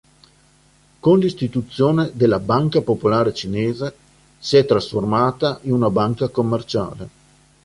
Con l'istituzione della Banca Popolare Cinese, si è trasformata in una banca commerciale.